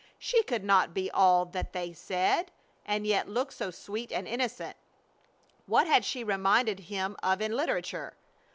She could not be all that they said, and yet look so sweet and innocent. What had she reminded him of in literature?